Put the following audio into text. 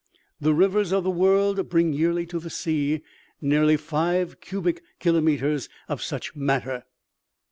The rivers of the world bring yearly to the sea, nearly five cubic kilometers of such matter.